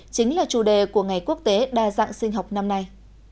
chính là chủ đề của ngày quốc tế đa dạng sinh học năm nay